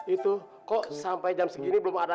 itu kok sampai jam segini belum ada